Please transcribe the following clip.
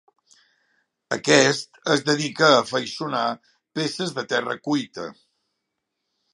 Aquest es dedica a afaiçonar peces de terra cuita.